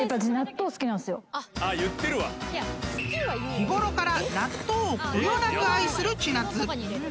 ［日頃から納豆をこよなく愛する千夏］